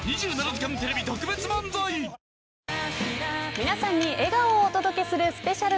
皆さんに笑顔をお届けするスペシャル